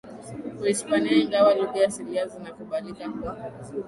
Kihispania ingawa lugha asilia zinakubalika kwa